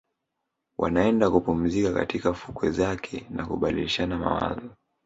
Wanaenda kupumzika katika fukwe zake na kubadilishana mawazo